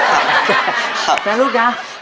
ครับนะลูกนะ